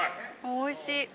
・おいしい！